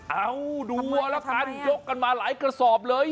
เอาดูเอาละกันยกกันมาหลายกระสอบเลย